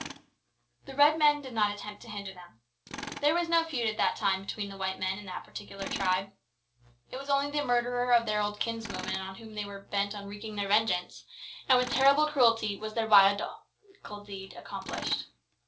The Red men did not attempt to hinder them. There was no feud at that time between the white men and that particular tribe. It was only the murderer of their old kinswoman on whom they were bent on wreaking their vengeance, and with terrible cruelty was their diabolical deed accomplished.